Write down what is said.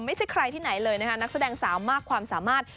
ไม่ใช่ใครที่ไหนเลยนะคะนักแสดงสาวมากความสามารถ